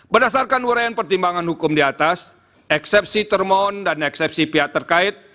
berdasarkan uraian pertimbangan hukum di atas eksepsi termohon dan eksepsi pihak terkait